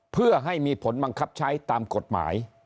เพื่อให้มีผลบังคับใช้ตามกฎหมาย